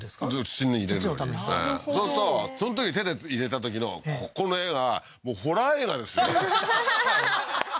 土に入れるのになるほどそうするとそのとき手で入れたときのここの画がもうホラー映画ですよ